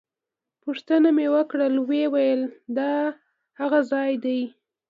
پوښتنه مې وکړه ویل یې دا هغه ځای دی.